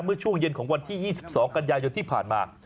เมื่อช่วงเย็นของวันที่๒๒กันยายนที่ผ่านมา